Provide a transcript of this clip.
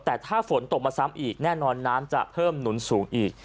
แต่ถ้าฝนตกมาซ้ำอีกแน่นอนน้ำจะเพิ่มหนุนสูงอีก